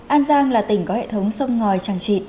an giang là tỉnh có hệ thống sông ngòi trang trị